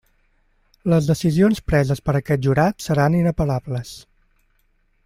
Les decisions preses per aquest jurat seran inapel·lables.